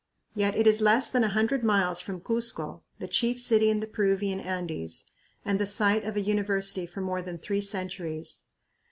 Yet it is less than a hundred miles from Cuzco, the chief city in the Peruvian Andes, and the site of a university for more than three centuries.